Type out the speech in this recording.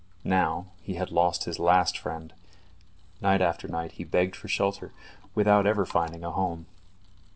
Now he had lost his last friend. Night after night he begged for shelter, without ever finding a home.